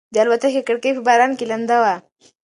د الوتکې کړکۍ په باران کې لنده وه.